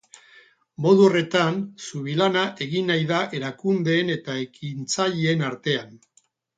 Modu horretan, zubilana egin nahi da erakundeen eta ekintzaileen artean.